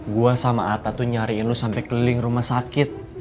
gue sama ata tuh nyariin lo sampe keliling rumah sakit